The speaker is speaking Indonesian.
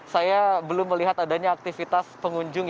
saya belum melihat adanya aktivitas pengunjung